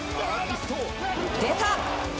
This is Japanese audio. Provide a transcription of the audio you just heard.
出た！